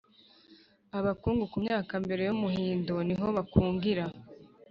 Abakungu ku myaka mbere y’umuhindo ni ho bakungira